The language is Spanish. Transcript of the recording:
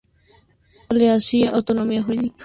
Dándole así autonomía jurídica y administrativa.